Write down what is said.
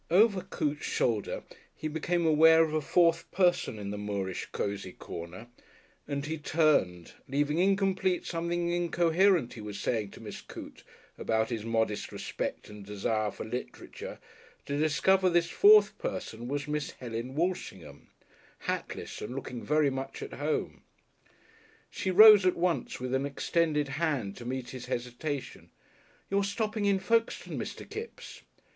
Over Coote's shoulder he became aware of a fourth person in the Moorish cosy corner, and he turned, leaving incomplete something incoherent he was saying to Miss Coote about his modest respect and desire for literature to discover this fourth person was Miss Helen Walshingham, hatless and looking very much at home. She rose at once with an extended hand to meet his hesitation. "You're stopping in Folkestone, Mr. Kipps?"